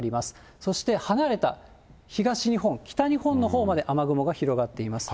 そして離れた東日本、北日本のほうまで雨雲が広がっています。